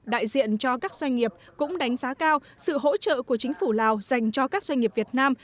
đại diện cho các doanh nghiệp cũng đánh giá cao sự hỗ trợ của chính phủ lào dành cho các doanh nghiệp việt nam